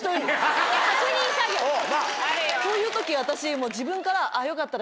こういう時私自分から。